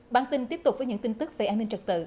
bản tin tiếp tục với những tin tức về an ninh trật tự